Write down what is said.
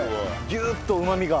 ギューッとうまみが。